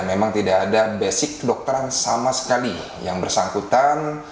memang tidak ada basic kedokteran sama sekali yang bersangkutan